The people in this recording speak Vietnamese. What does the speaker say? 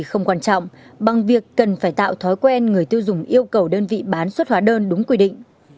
không quan trọng bằng việc cần phải tạo thói quen người tiêu dùng yêu cầu đơn vị bán xuất hóa đơn đúng quy định